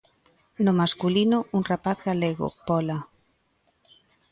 No masculino, un rapaz galego, Pola.